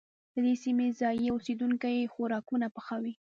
د دې سيمې ځايي اوسيدونکي خوراکونه پخوي.